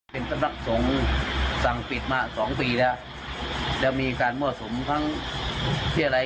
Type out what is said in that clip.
เป็นสำนักสงฆ์สั่งปิดมาสองปีแล้วแล้วมีการมั่วสุมทั้งที่อะไร